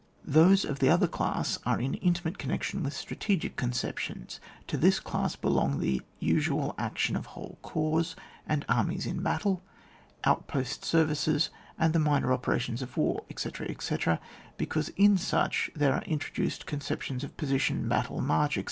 Those of the other class are in intimate connection with strategic conceptions; to this class belong the usual action of whc^e corps and armies in battle, outpost ser vices, and the minor operations of war, etc., etc., because in such there are intro duced conceptions of position, battle, march, etc.